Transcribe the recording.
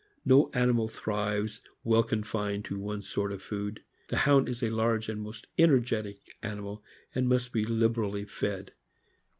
No animal thrives well confined to one sort of food. The Hound is a large and most energetic animal, and must be liberally fed.